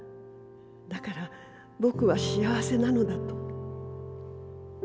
だからぼくは幸せなのだと」。